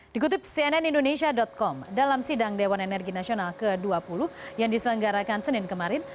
dikutip cnn indonesia com dalam sidang dewan energi nasional ke dua puluh yang diselenggarakan senin kemarin